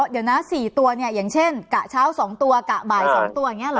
อ๋อเดี๋ยวนะสี่ตัวเนี่ยอย่างเช่นกะเช้าสองตัวกะบ่ายสองตัวอย่างเงี้ยเหรอ